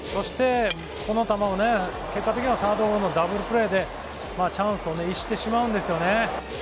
この球を結果的にはサードゴロのダブルプレーでチャンスを逸してしまうんですよね。